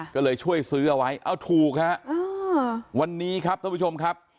ก็เลยช่วยซื้อเอาไว้เอาถูกฮะวันนี้ครับท่านผู้ชมครับ